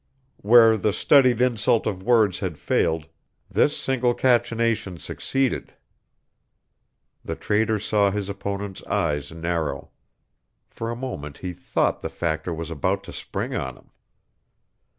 Where the studied insult of words had failed, this single cachinnation succeeded. The Trader saw his opponent's eyes narrow. For a moment he thought the Factor was about to spring on him.